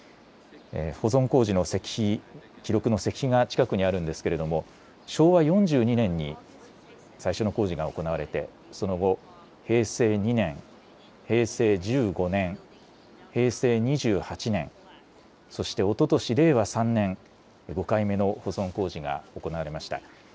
保存工事の石碑、記録の石碑が近くにあるんですけれども昭和４２年に最初の工事が行われてその後、平成２年、平成１５年、平成２８年、そしておととし令和３年、５回目の保存工事が行われました。